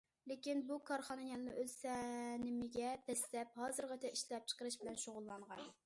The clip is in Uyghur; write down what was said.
لېكىن، بۇ كارخانا يەنىلا ئۆز سەنىمىگە دەسسەپ، ھازىرغىچە ئىشلەپچىقىرىش بىلەن شۇغۇللانغان.